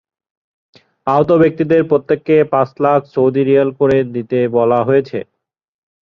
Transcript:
আহত ব্যক্তিদের প্রত্যেককে পাঁচ লাখ সৌদি রিয়াল করে দিতে বলা হয়েছে।